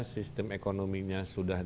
sistem ekonominya sudah